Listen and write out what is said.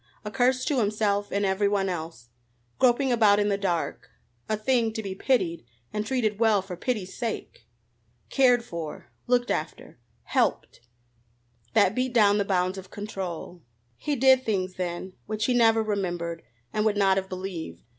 a curse to himself and everyone else. Groping about in the dark a thing to be pitied and treated well for pity's sake! Cared for looked after helped! That beat down the bounds of control. He did things then which he never remembered and would not have believed.